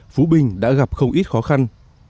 phú bình đã gặp không ít khó khăn